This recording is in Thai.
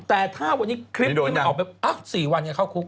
แต่ถ้าวันนี้คลิปที่มันออกไป๔วันเข้าคุก